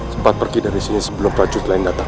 cepat pergi dari sini sebelum racun lain datang